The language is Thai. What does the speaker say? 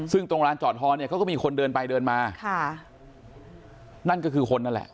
ซึ่งตรงร้านจอดฮอนเนี่ยเขาก็มีคนเดินไปเดินมาค่ะนั่นก็คือคนนั่นแหละ